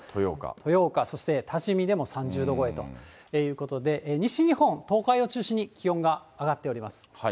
豊岡、そして多治見でも３０度超えということで、西日本、東海を中心に気温が上がっております。